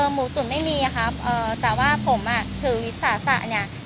หมูตุ๋นไม่มีครับแต่ว่าผมอ่ะถือวิสาสะเนี่ย